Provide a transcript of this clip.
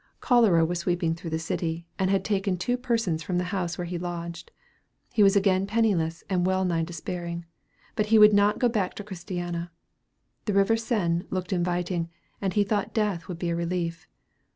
Cholera was sweeping through the city, and had taken two persons from the house where he lodged. He was again penniless and wellnigh despairing. But he would not go back to Christiana. The river Seine looked inviting, and he thought death would be a relief.